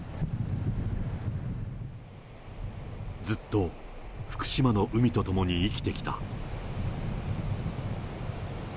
ずっと福島の海とともに生きてきた。